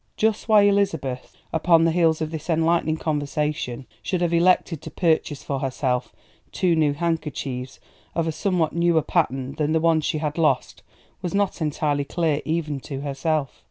Just why Elizabeth upon the heels of this enlightening conversation should have elected to purchase for herself two new handkerchiefs of a somewhat newer pattern than the ones she had lost was not entirely clear even to herself.